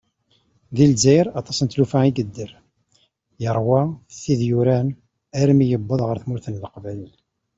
Di lezzayer, aṭas n tlufa i yedder, yerwa tid yuran armi yewweḍ ɣer tmurt n Leqbayel.